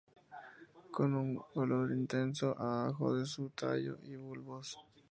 Con un olor intenso a ajo de su tallo y bulbos.